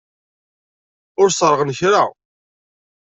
Ur ṣerɣen kra.